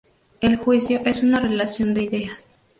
El juicio es una relación de ideas.